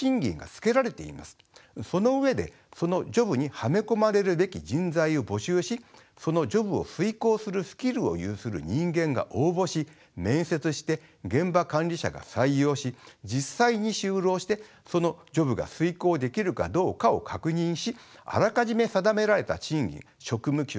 その上でそのジョブにはめ込まれるべき人材を募集しそのジョブを遂行するスキルを有する人間が応募し面接して現場管理者が採用し実際に就労してそのジョブが遂行できるかどうかを確認しあらかじめ定められた賃金職務給が支払われます。